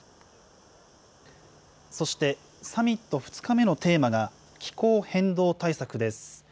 そして、サミット２日目のテーマが、気候変動対策です。